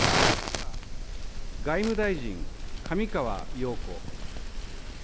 外務大臣、上川陽子。